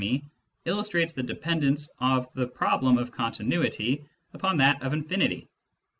The second antinomy illustrates the dependence of the problem of continuity upon that of infinity.